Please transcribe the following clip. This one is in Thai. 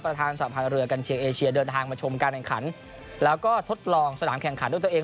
สะพานเรือกัญเชียงเอเชียเดินทางมาชมการแข่งขันแล้วก็ทดลองสนามแข่งขันด้วยตัวเอง